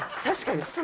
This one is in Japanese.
確かに。